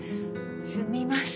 すみません。